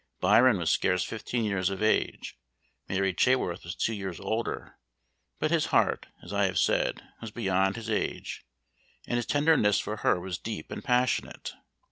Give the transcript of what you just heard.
Byron was scarce fifteen years of age, Mary Chaworth was two years older; but his heart, as I have said, was beyond his age, and his tenderness for her was deep and passionate.